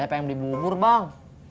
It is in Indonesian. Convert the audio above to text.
saya pengen dibungkur bang